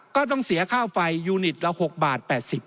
ก็ต้องเสียข้าวไฟยูนิทร์ละ๖บาท๘๐